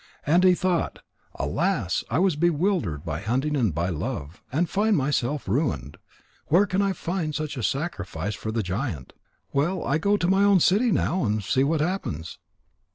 And he thought: "Alas! I was bewildered by hunting and by love, and I find myself ruined. Where can I find such a sacrifice for the giant? Well, I will go to my own city now, and see what happens."